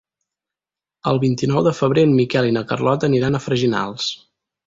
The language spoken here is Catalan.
El vint-i-nou de febrer en Miquel i na Carlota aniran a Freginals.